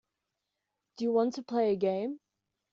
Do you want to play a game.